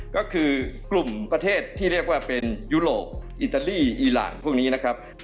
ก็คือกลุ่มประเทศที่เรียกว่าเป็นยุโรปอิตาลีอีหลานพวกนี้นะครับ